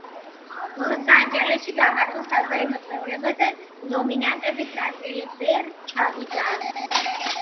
ლოს-ანჯელესში გამართულ საზეიმო წვეულებაზე ნომინანტების ნაწილი ვერ ჩავიდა.